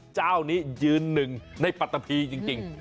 เจ้านี้ยืนหนึ่งในปัตตะพีจริง